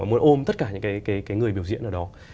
muốn ôm tất cả những cái người biểu diễn ở đó